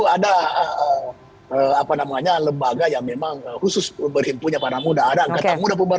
ada eh apa namanya lembaga yang memang khusus berhimpunnya pada muda adanya kemudian pembara